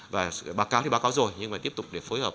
và báo cáo thì báo cáo rồi nhưng mà tiếp tục để phối hợp